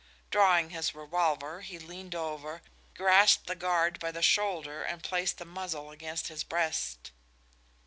Drawing his revolver he leaned over, grasped the guard by the shoulder and placed the muzzle against his breast.